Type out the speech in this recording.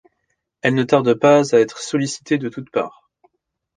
Elle ne tarde pas à être sollicitée de toutes parts.